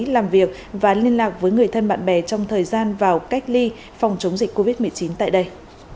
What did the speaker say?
làm việc và liên lạc với người thân bạn bè trong thời gian vào cách ly phòng chống dịch covid một mươi chín tại đây